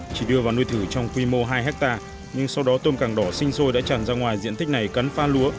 chỉ đưa vào nuôi thử trong quy mô hai hectare nhưng sau đó tôm càng đỏ sinh sôi đã tràn ra ngoài diện tích này cắn pha lúa